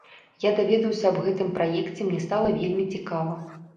Я даведаўся аб гэтым праекце, мне стала вельмі цікава.